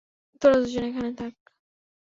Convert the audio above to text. তোরা দুজন এখানে থাক।